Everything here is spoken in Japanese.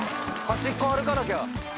端っこ歩かなきゃ。